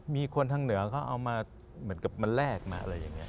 มีคนทางเหนือเขาเอามาเหมือนกับมาแลกมาอะไรอย่างนี้